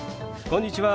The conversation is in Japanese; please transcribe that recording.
こんにちは！